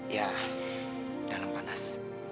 ya dalam panas